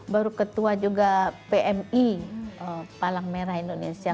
baru ketua juga pmi palang merah indonesia